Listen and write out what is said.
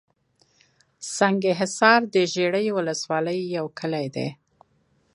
سنګحصار دژړۍ ولسوالۍ يٶ کلى دئ